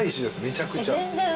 めちゃくちゃ。